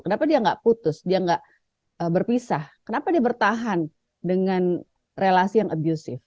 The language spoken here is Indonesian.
kenapa dia nggak putus dia nggak berpisah kenapa dia bertahan dengan relasi yang abusive